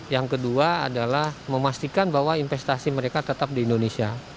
yang kedua adalah memastikan bahwa investasi mereka tetap di indonesia